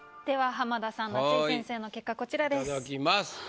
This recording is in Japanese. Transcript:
では浜田さん夏井先生の結果こちらです。